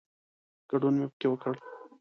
ګډون مو پکې وکړ.